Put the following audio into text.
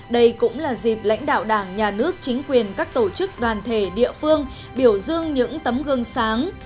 đây cũng là dịp lãnh đạo đảng nhà nước chính quyền các tổ chức đoàn thể địa phương biểu dương những tấm gương sáng